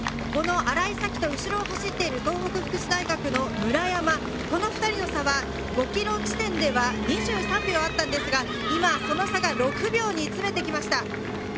この新井沙希と後ろを走っている東北福祉大学の村山、この２人の差は５ｋｍ地点では２３秒あったんですが、今、その差が６秒に詰めてきました。